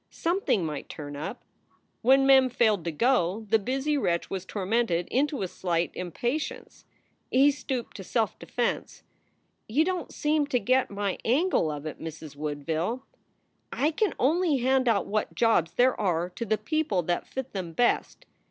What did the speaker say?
Something might turn up. When Mem failed to go, the busy wretch was tormented into a slight impatience. He stooped to self defense. "You don t seem to get my angle of it, Mrs. Woodville. I can only hand out what jobs there are to the people that fit them best.